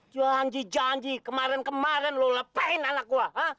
janji janji kemaren kemaren lo lepehin anak gue ha